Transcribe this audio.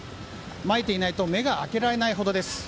まいていないと目が開けられないほどです。